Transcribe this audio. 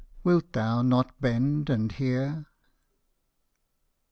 wilt thou not bend and hear